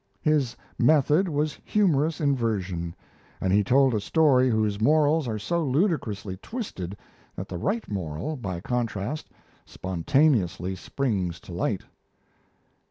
His method was humorous inversion; and he told a story whose morals are so ludicrously twisted that the right moral, by contrast, spontaneously springs to light.